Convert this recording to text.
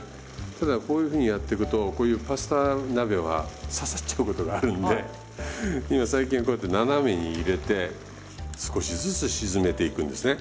ただこういうふうにやっていくとこういうパスタ鍋は刺さっちゃうことがあるんで今最近はこうやって斜めに入れて少しずつ沈めていくんですね。